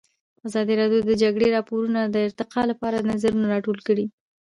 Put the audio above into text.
ازادي راډیو د د جګړې راپورونه د ارتقا لپاره نظرونه راټول کړي.